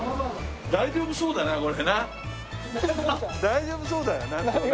大丈夫そうだよなこれ。